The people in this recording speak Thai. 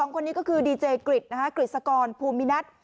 คนนี้ก็คือดีเจกริจกฤษกรภูมินัท